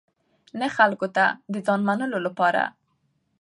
نه خلکو ته د ځان منلو لپاره.